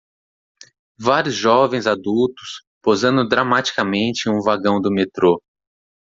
Vários jovens adultos posando dramaticamente em um vagão do metrô.